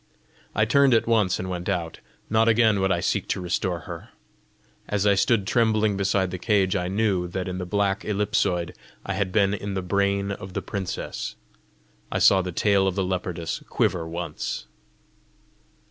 I turned at once and went out: not again would I seek to restore her! As I stood trembling beside the cage, I knew that in the black ellipsoid I had been in the brain of the princess! I saw the tail of the leopardess quiver once.